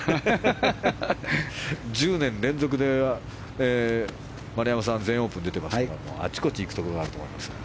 １０年連続で丸山さん全英オープン出てますからあちこち行くところがあると思いますが。